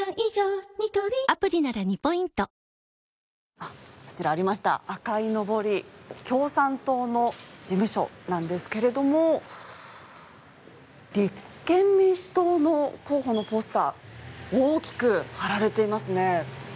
あちら、ありました共産党の事務所なんですけれども立憲民主党の候補のポスター、大きく貼られていますね。